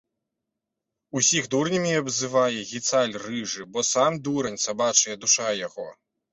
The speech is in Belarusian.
Усіх дурнямі абзывае, гіцаль рыжы, бо сам дурань, сабачая душа яго!